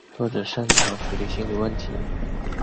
作品擅长处理心理问题。